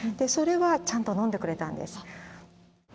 それはちゃんと飲んでくれたんです。